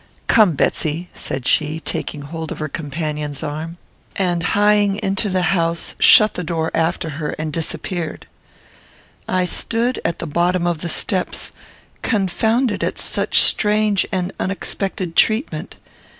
Come, Betsy," said she, taking hold of her companion's arm; and, hieing into the house, shut the door after her, and disappeared. I stood, at the bottom of the steps, confounded at such strange and unexpected treatment.